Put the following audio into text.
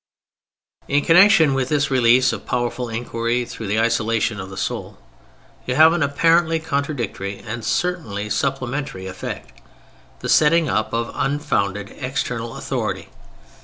In connection with this release of powerful inquiry through the isolation of the soul, you have an apparently contradictory, and certainly supplementary effect: the setting up of unfounded external authority.